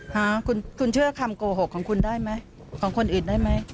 หาคุณเชื่อคำโกหกของคุณได้ไหมของคนอื่นได้ไหม